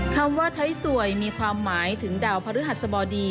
คำว่าไทยสวยมีความหมายถึงดาวพระฤหัสบดี